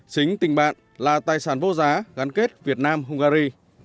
chính tình bạn là tài sản vô giá gắn kết việt nam hungary